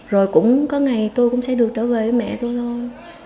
rồi cũng có ngày tôi cũng sẽ được trở về với mẹ tôi luôn